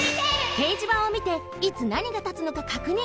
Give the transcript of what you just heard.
けいじばんをみていつなにがたつのかかくにん。